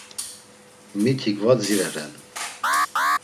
Mitik va dzireren.